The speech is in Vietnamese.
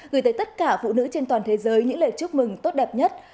gửi tới tất cả phụ nữ trên toàn thế giới những lời chúc mừng tốt đẹp nhất